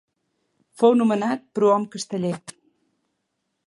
Fou nomenat Prohom Casteller.